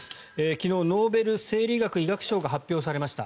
昨日、ノーベル生理学医学賞が発表されました。